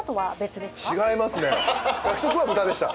学食は豚でした。